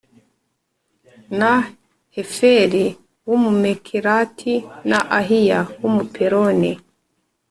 na Heferi w Umumekerati na Ahiya w Umupeloni